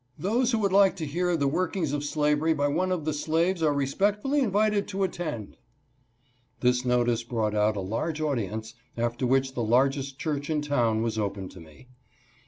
Those who would like to hear of the workings of slavery by one of the slaves are respect fully invited to attend." This notice brought out a large audience, after which the largest church in town was open to me.